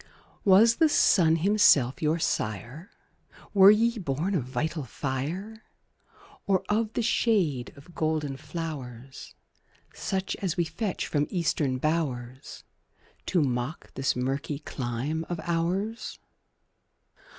Was the sun himself your sire? Were ye born of vital fire? Or of the shade of golden flowers, Such as we fetch from Eastern bowers, To mock this murky clime of ours?